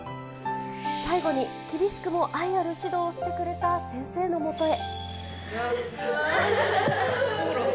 最後に厳しくも愛ある指導をしてくれた先生のもとへ。